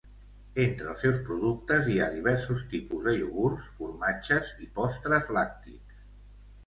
Entre els seus productes hi ha diversos tipus de iogurts, formatges i postres làctics.